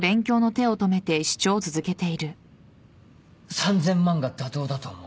３，０００万が妥当だと思う。